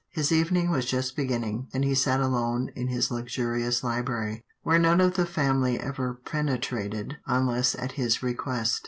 His evening was just beginning, and he sat alone in his luxurious library, where none of the family ever penetrated unless at his request.